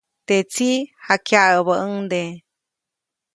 Teʼ tsiʼ jakyaʼäbäʼuŋde.